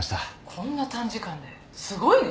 こんな短時間ですごいね。